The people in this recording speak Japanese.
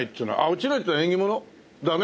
落ちないっていうのは縁起物？だね。